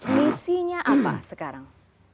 misinya apa sekarang